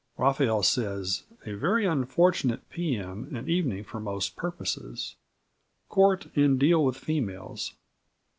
Raphael says: "A very unfortunate P.M. and evening for most purposes. Court and deal with females."